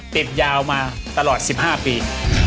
ยาวมาตลอด๑๕ปี